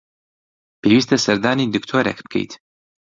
پێویستە سەردانی دکتۆرێک بکەیت.